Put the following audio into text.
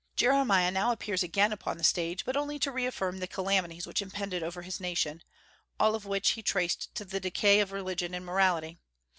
Jeremiah now appears again upon the stage, but only to reaffirm the calamities which impended over his nation, all of which he traced to the decay of religion and morality.